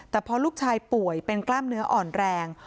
แต่พอลูกชายป่วยเป็นกล้ามเนื้ออ่อนแรง